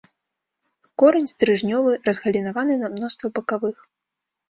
Корань стрыжнёвы, разгалінаваны на мноства бакавых.